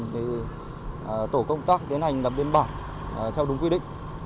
thì tổ công tác tiến hành làm đến bảo theo đúng quy định